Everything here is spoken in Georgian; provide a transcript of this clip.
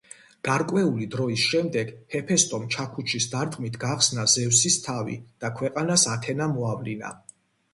გარკვეული დროის შემდეგ ჰეფესტომ ჩაქუჩის დარტყმით გახსნა ზევსის თავი და ქვეყანას ათენა მოავლინა.